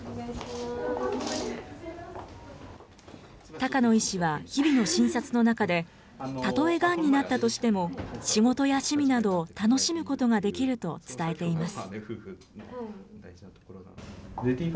高野医師は日々の診察の中で、例えがんになったとしても、仕事や趣味などを楽しむことができると伝えています。